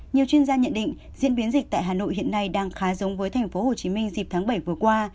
nhiều chuyên gia nhận định diễn biến dịch tại hà nội hiện nay đang khá giống với thành phố hồ chí minh dịp tháng bảy vừa qua